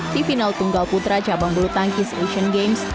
di final tunggal putra cabang bulu tangkis asian games